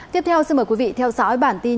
tiếp theo xin mời quý vị theo dõi bản tin